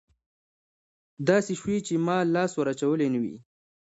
داسې شوي چې ما لاس ور اچولى نه وي.